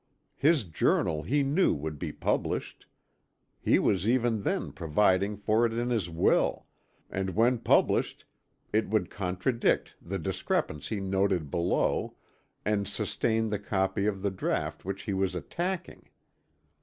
His Journal he knew would be published, he was even then providing for it in his will, and when published it would contradict the discrepancy noted below and sustain the copy of the draught which he was attacking.